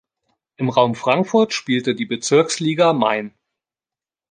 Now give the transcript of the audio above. Im Raum Frankfurt spielte die Bezirksliga Main.